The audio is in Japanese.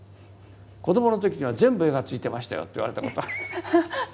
子どもの時には全部絵がついてましたよと言われたことある。